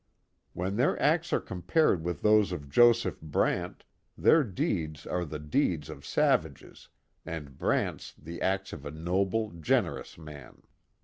When their acts are compared with those of Joseph Brant, their deeds are the deeds of savages, and Brant*s the acts of a noble, generous man.